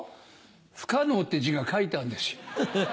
「不可能」って字が書いてあるんですよ。ハハハ。